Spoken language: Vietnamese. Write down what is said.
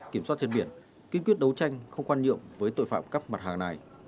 kiểm soát trên biển kiên quyết đấu tranh không quan nhiệm với tội phạm cắp mặt hàng này